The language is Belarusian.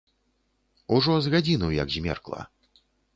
Ужо з гадзіну як змеркла.